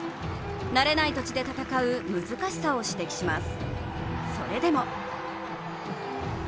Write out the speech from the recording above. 慣れない土地で戦う難しさを指摘します。